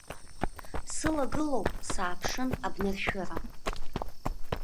Сылагылоуп, сааԥшын, абнаршәыра.